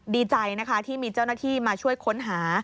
ดีใจนะคะที่มีเจ้าหน้าที่มาช่วยค้นหา